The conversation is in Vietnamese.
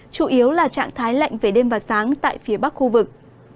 chủ yếu là trạng thái lạnh về đêm và sáng tại phía bắc khu vực